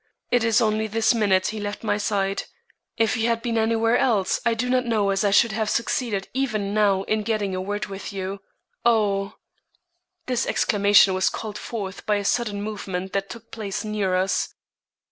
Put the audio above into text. It is only this minute he left my side. If you had been anywhere else I do not know as I should have succeeded even now in getting a word with you oh!" This exclamation was called forth by a sudden movement that took place near us.